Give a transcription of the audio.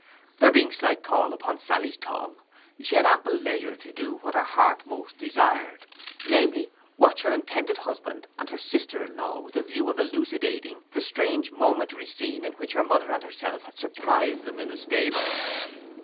There being slight call upon Sally's tongue, she had ample leisure to do what her heart most desired, namely, watch her intended husband and her sister in law with a view of elucidating the strange momentary scene in which her mother and herself had surprised them in the stable.